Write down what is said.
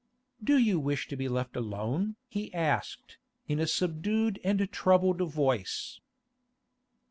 'Do you wish to be left alone?' he asked, in a subdued and troubled voice.